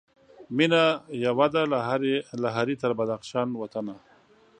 مېنه یوه ده له هري تر بدخشان وطنه